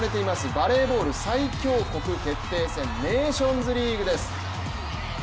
バレーボール最強国決定戦、ネーションズリーグです。